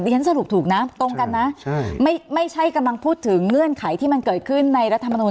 ฉันสรุปถูกนะตรงกันนะไม่ใช่กำลังพูดถึงเงื่อนไขที่มันเกิดขึ้นในรัฐมนุน